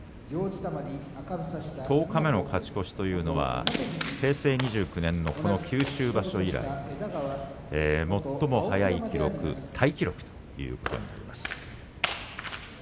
十日目の勝ち越しは平成２９年の、この九州場所以来最も早い記録タイ記録ということになります。